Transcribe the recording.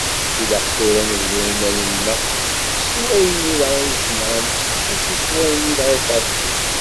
Ilaq tura ad nebnu imal-nneɣ s wayen i d-aɣ-ijemeɛen mačči s wayen i d-aɣ-iferqen.